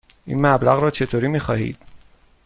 این مبلغ را چطوری می خواهید؟